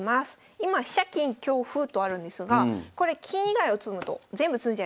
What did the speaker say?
今飛車金香歩とあるんですがこれ金以外打つと全部詰んじゃいます。